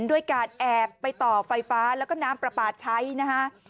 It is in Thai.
ด้วยการแอบไปต่อไฟฟ้าแล้วก็น้ำปลาปลาใช้นะคะ